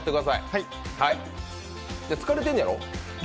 疲れてんねやろ？